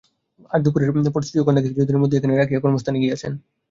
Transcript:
আজ দুপুরের পর স্ত্রী ও কন্যাকে কিছুদিনের জন্য এখানে রাখিয়া কর্মস্থানে গিয়াছেন।